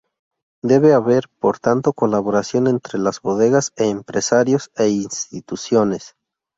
Debe haber, por tanto, colaboración entre las bodegas, empresarios e instituciones.